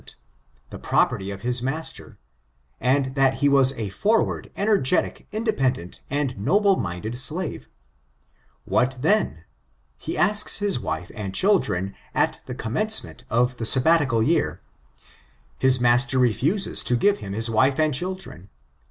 I < 620 STBIGTURX8 the property of his roaster, and that he was a iorward* energetic* independent, and noble minded slave. What dien? He asks his wife and children at the commence , ment of the Sabbatical year. His master refuses to give him hb wife and children.